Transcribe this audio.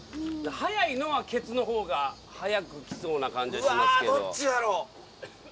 早いのはケツのほうが早く来そうな感じですけど。